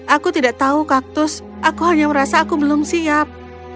aku tidak tahu kaktus aku hanya merasa aku belum siap